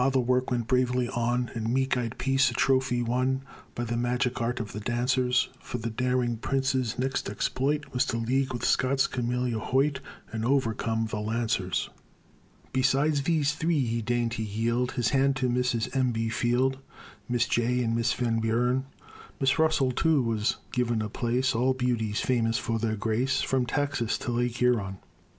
the work went bravely on, And meek eyed Peace a trophy won By the magic art of the dancers; For the daring prince's next exploit Was to league with Scott's Camilla Hoyt, And overcome the Lancers. Besides these three, he deigned to yield His hand to Mrs. M. B. Field, Miss Jay and Miss Van Buren; Miss Russell, too, was given a place All beauties famous for their grace From Texas to Lake Huron.